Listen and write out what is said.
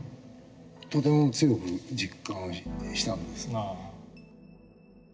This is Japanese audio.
とても強く実感したんです。